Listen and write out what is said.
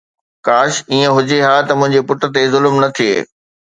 ڪاش ائين هجي ها ته منهنجي پٽ تي ظلم نه ٿئي